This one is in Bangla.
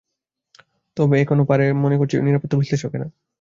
তবে এখনো সেখানে আরও জিম্মি থাকতে পারে বলে মনে করছেন নিরাপত্তা বিশ্লেষকেরা।